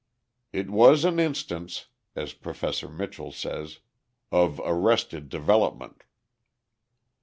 "It was an instance," as Professor Mitchell says, "of arrested development."